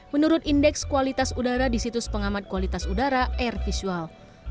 menurut indeks kualitas udara di situs pengamat kualitas udara air visual